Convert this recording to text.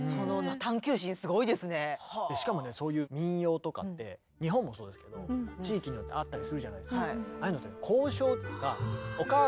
しかもねそういう民謡とかって日本もそうですけど地域によってあったりするじゃないですか。